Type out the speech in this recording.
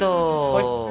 はい。